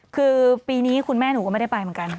คือปีนี้คุณแม่หนูก็ไม่ได้ไปเหมือนกัน